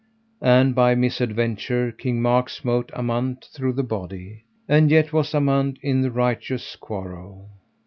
And by misadventure King Mark smote Amant through the body. And yet was Amant in the righteous quarrel.